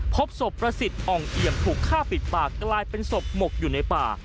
พบศพประสิทธิ์อ่องเอี่ยมถูกฆ่าปิดปากกลายเป็นศพหมกอยู่ในป่า